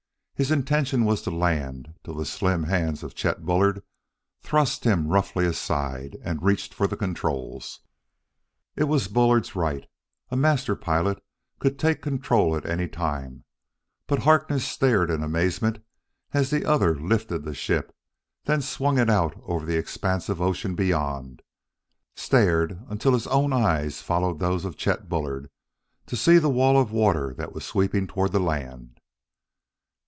His intention was to land, till the slim hands of Chet Bullard thrust him roughly aside and reached for the controls. It was Bullard's right a master pilot could take control at any time but Harkness stared in amazement as the other lifted the ship, then swung it out over the expanse of ocean beyond stared until his own eyes followed those of Chet Bullard to see the wall of water that was sweeping toward the land.